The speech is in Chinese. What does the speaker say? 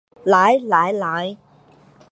来来来